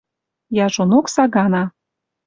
Яжонок сагана